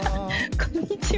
こんにちは。